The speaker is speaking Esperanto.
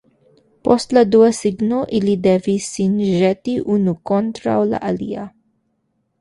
Post la dua signo ili devis sin ĵeti unu kontraŭ la alia.